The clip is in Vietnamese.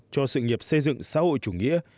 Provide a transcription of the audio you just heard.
cho sự nghiệp xây dựng xã hội chủ nghĩa